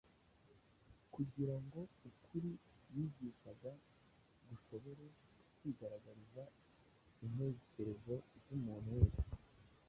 kugira ngo ukuri bigishaga gushobore kwigaragariza intekerezo z’umuntu wese.